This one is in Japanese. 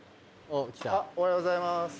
おはようございます。